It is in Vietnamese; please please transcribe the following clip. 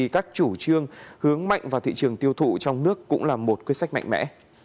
các chủ trương hướng mạnh vào thị trường tiêu thụ trong nước cũng là một quyết sách mạnh mẽ